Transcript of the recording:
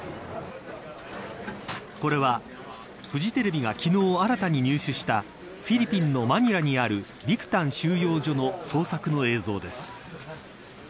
これは、フジテレビが昨日、新たに入手したフィリピンのマニラにあるビクタン収容所の捜索の映像です。